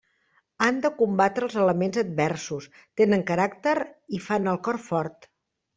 Han de combatre els elements adversos, tenen caràcter i fan el cor fort.